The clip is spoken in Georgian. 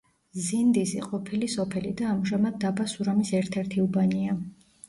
ზინდისი ყოფილი სოფელი და ამჟამად დაბა სურამის ერთ-ერთი უბანია.